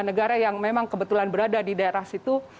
negara yang memang kebetulan berada di daerah situ